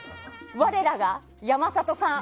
我らが山里さん。